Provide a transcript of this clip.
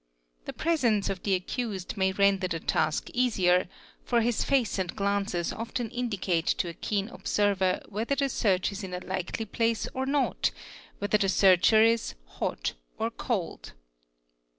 The presence of the accused may render the _ task easier, for his face and glances often indicate to a keen observer _ whether the search is in a likely place or not, whether the searcher is "hot or cold."